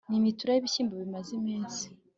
n'imitura y'ibishyimbo bimaze iminsi